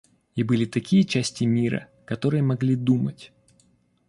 И были такие части мира, которые могли думать.